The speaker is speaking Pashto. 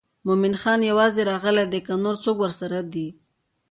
مومن خان یوازې راغلی دی که نور څوک ورسره دي.